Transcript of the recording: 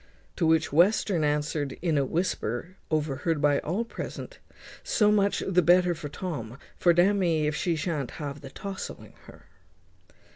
To which Western answered, in a whisper, overheard by all present, "So much the better for Tom; for d n me if he shan't ha the tousling her."